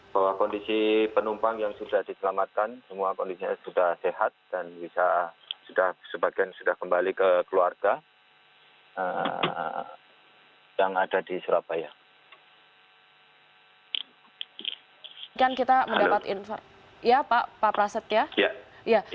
bahwa kondisi penumpang yang sudah diselamatkan semua kondisinya sudah sehat dan bisa sebagian sudah kembali ke keluarga yang ada di surabaya